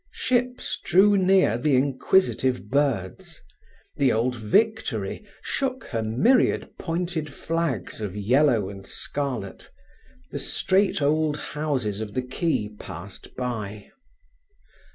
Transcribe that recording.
Ships drew near the inquisitive birds; the old Victory shook her myriad pointed flags of yellow and scarlet; the straight old houses of the quay passed by.